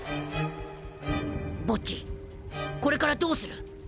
ボッジこれからどうする？